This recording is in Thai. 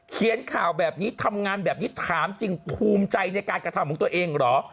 เขียนข่าวแบบนี้ทำงานแบบนี้ถามจริงภูมิใจในการกระทำของตัวเองเหรอ